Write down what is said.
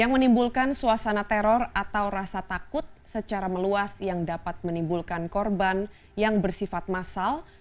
yang menimbulkan suasana teror atau rasa takut secara meluas yang dapat menimbulkan korban yang bersifat massal